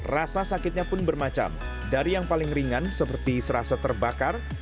rasa sakitnya pun bermacam dari yang paling ringan seperti serasa terbakar